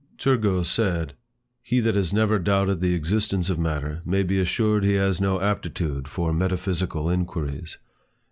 Turgot said, "He that has never doubted the existence of matter, may be assured he has no aptitude for metaphysical inquiries."